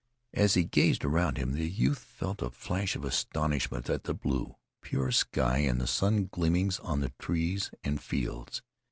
As he gazed around him the youth felt a flash of astonishment at the blue, pure sky and the sun gleamings on the trees and fields.